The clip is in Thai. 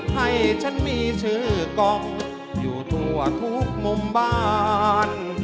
ให้ฉันมีชื่อกล้องอยู่ทั่วทุกมุมบ้าน